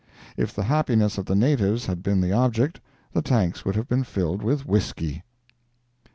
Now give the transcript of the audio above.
If the happiness of the natives had been the object, the tanks would have been filled with whisky.